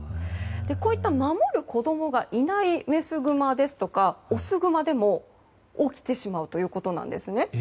こういった守る子供がいないメスグマですとかオスグマでも起きてしまうということです。